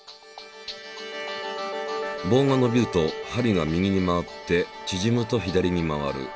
棒が伸びると針が右に回って縮むと左に回る。